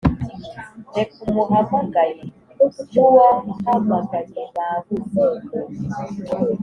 reka umuhamagaye n'uwahamagaye babuze;